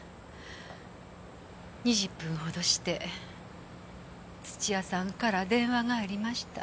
２０分ほどして土屋さんから電話がありました。